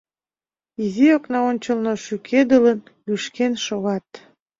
Изи окна ончылно шӱкедылын, лӱшкен шогат.